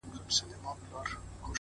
o او په لوړ ږغ په ژړا سو،